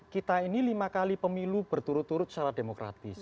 kita ini lima kali pemilu berturut turut secara demokratis